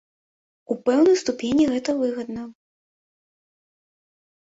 У пэўнай ступені гэта выгадна.